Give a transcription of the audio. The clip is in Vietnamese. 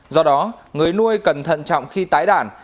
do đó người nuôi cần thận trọng khi tái đàn